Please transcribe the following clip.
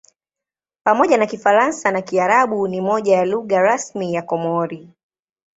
Pamoja na Kifaransa na Kiarabu ni moja ya lugha rasmi ya Komori.